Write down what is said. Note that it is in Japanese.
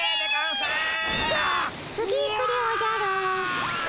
次行くでおじゃる。